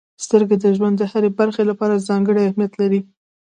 •سترګې د ژوند د هرې برخې لپاره ځانګړې اهمیت لري.